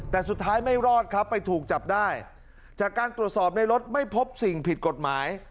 แต่สุดท้ายไม่รอดครับไปถูกจับได้จากการตรวจสอบในรถไม่พบสิ่งผิดกฎหมาย